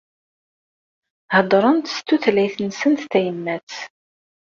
Heddrent s tutlayt-nsent tayemat.